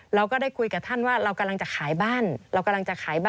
เราก็ได้คุยกับท่านว่าเรากำลังจะขายบ้าน